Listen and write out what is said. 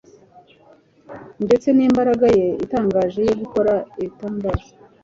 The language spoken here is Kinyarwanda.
ndetse n’imbaraga ye itangaje yo gukora ibitangaza,